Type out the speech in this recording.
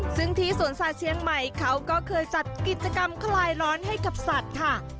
ซึ่งที่สวนสัตว์เชียงใหม่เขาก็เคยจัดกิจกรรมคลายร้อนให้กับสัตว์ค่ะ